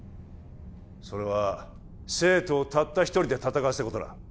それは生徒をたった一人で戦わせたことだ